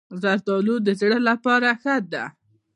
زردالو د زړه لپاره ښه ده.